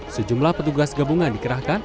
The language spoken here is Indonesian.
sejumlah petugas gabungan dikerahkan